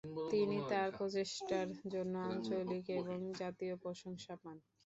তিনি তার প্রচেষ্টার জন্য আঞ্চলিক এবং জাতীয় প্রশংসা পান।